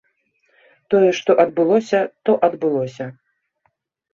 Тое, што адбылося, то адбылося.